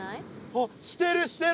あっしてるしてる！